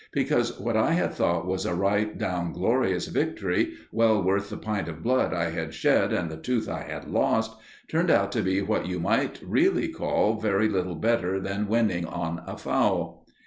Because what I had thought was a right down glorious victory, well worth the pint of blood I had shed and the tooth I had lost, turned out to be what you might really call very little better than winning on a foul.